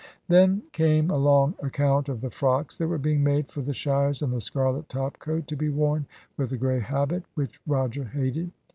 Then came a long account of the frocks that were being made for the shires, and the scarlet top coat to be worn with a grey habit, which Roger hated.